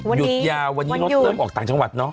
หยุดยาววันนี้รถเริ่มออกต่างจังหวัดเนาะ